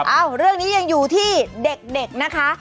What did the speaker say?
เอ้าเรื่องนี้ยังอยู่ที่เด็กนะคะ